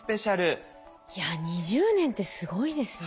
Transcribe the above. いや２０年ってすごいですね。